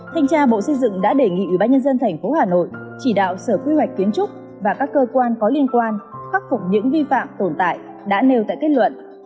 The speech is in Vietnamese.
thanh tra bộ xây dựng đã đề nghị ủy ban nhân dân thành phố hà nội chỉ đạo sở quy hoạch kiến trúc và các cơ quan có liên quan khắc phục những vi phạm tồn tại đã nêu tại kết luận